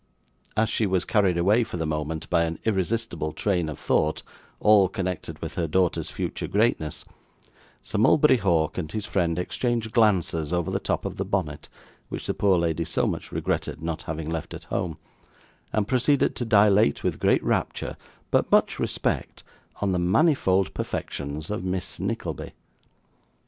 As she was carried away for the moment by an irresistible train of thought, all connected with her daughter's future greatness, Sir Mulberry Hawk and his friend exchanged glances over the top of the bonnet which the poor lady so much regretted not having left at home, and proceeded to dilate with great rapture, but much respect on the manifold perfections of Miss Nickleby.